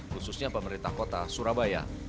khususnya pemerintah kota surabaya